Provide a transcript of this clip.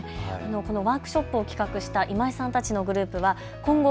ワークショップを企画した今井さんたちのグループは今後、